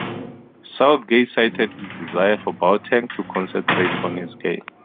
Southgate cited his desire for Boateng to "concentrate on his game".